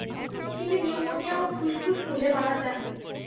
তিনি নিউমোনিয়া ও ফুসফুস ফুলে মারা যান।